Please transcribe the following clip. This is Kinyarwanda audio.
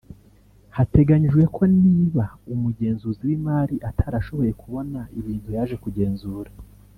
hateganyijwe ko niba umugenzuzi w’imari atarashoboye kubona ibintu yaje kugenzura